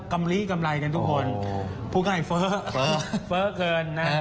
ลีกำไรกันทุกคนพูดง่ายเฟ้อเฟ้อเกินนะ